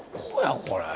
これ。